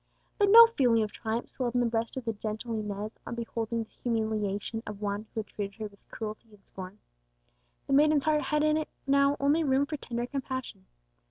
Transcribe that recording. But no feeling of triumph swelled in the breast of the gentle Inez on beholding the humiliation of one who had treated her with cruelty and scorn. The maiden's heart had in it now only room for tender compassion.